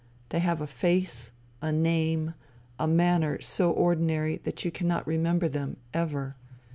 They have a face, a name, a manner so ordinary that you cannot remember them, ever.